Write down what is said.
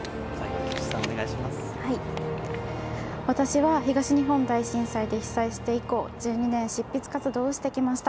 私は東日本大震災で被災して以降１２年、執筆活動をしてきました。